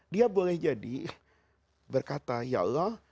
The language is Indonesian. dia boleh jadi berkata ya allah